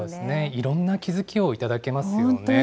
いろんな気づきをいただけますよね。